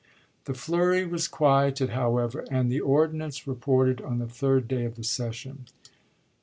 The flurry was quieted, however, and the ordi nance reported on the third day of the session.